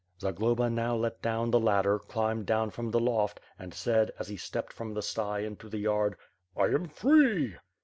Zagloba now let down the ladder, climbed down from the loft and said, as he stepped from the sty into the yard: '1 am free.''